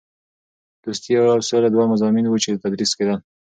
دوستي او سوله دوه مضامین وو چې تدریس کېدل.